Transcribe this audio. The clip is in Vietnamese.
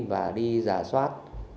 và đi giả soát